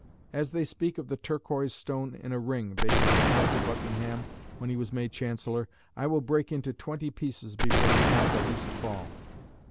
"As they speak of the Turquoise stone in a ring," Bacon had said to Buckingham when he was made Chancellor, "I will break into twenty pieces before you have the least fall."